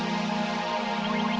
itu kan parkiran